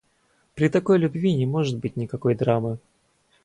При такой любви не может быть никакой драмы.